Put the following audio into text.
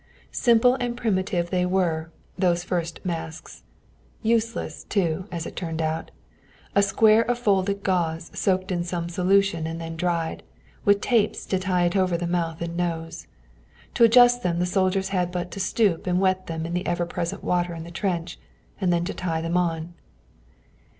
Simple and primitive they were, those first masks; useless, too, as it turned out a square of folded gauze, soaked in some solution and then dried, with tapes to tie it over the mouth and nose. To adjust them the soldiers had but to stoop and wet them in the ever present water in the trench, and then to tie them on.